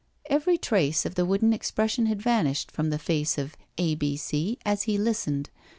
Every trace of the wooden expression had vanished from the face of A. B. C. as he listened.